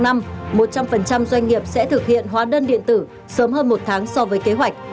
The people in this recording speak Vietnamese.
một trăm linh doanh nghiệp sẽ thực hiện hóa đơn điện tử sớm hơn một tháng so với kế hoạch